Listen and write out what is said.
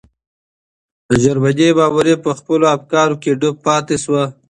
د جرمني مامورین په خپلو افکارو کې ډوب پاتې شول.